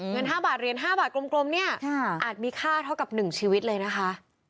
เงิน๕บาทเหรียญ๕บาทกลมเนี่ยอาจมีค่าเท่ากับ๑ชีวิตเลยนะคะ